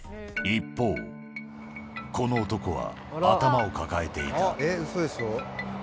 一方、この男は頭を抱えていた。